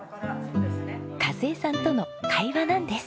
和枝さんとの会話なんです。